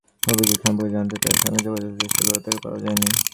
অভিযোগ সম্পর্কে জানতে তাঁর সঙ্গে যোগাযোগের চেষ্টা করেও তাঁকে পাওয়া যায়নি।